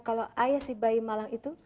kalau ayah si bayi malang itu